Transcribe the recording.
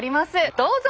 どうぞ！